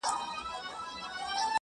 روژه چي څوک نيسي جانانه پېشلمی غواړي-